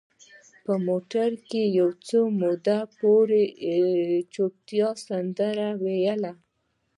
په موټر کې د یو څه مودې پورې چوپتیا سندره ویله.